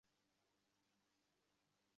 এটা কলেরার মরসুমের সময়, শ্মশানে ধুম লাগিয়াই আছে।